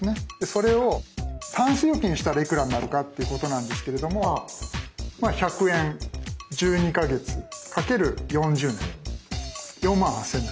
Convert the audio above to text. それを「たんす預金」したらいくらになるかっていうことなんですけれども１００円１２か月×４０年４万８，０００円になります。